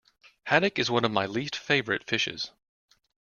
Haddock is one of my least favourite fishes